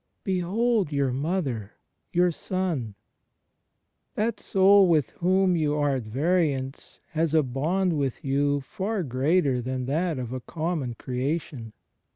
"Behold your Mother ... your son!" That soul with whom you are at variance has a bond with you far greater than that of a common creation.